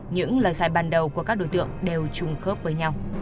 những lời khai ban đầu của các đối tượng đều chung khớp với nhau